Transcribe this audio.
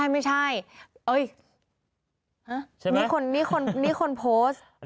ไม่ใช่นี่คนโพสต์